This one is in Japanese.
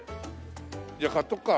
じゃあ買っとくか。